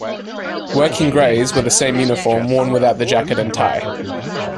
"Working grays" were the same uniform worn without the jacket and tie.